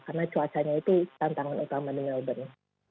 karena cuacanya itu tantangan utama di melbourne